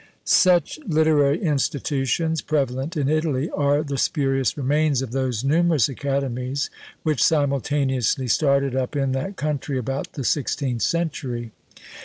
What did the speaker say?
Such literary institutions, prevalent in Italy, are the spurious remains of those numerous academies which simultaneously started up in that country about the sixteenth century.